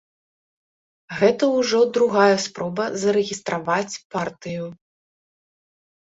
Гэта ўжо другая спроба зарэгістраваць партыю.